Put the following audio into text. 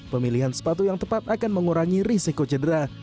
pemilihan sepatu yang tepat akan mengurangi risiko cedera